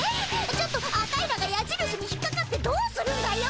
ちょっとアタイらがやじるしに引っかかってどうするんだよ。